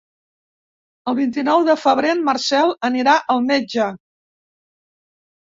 El vint-i-nou de febrer en Marcel anirà al metge.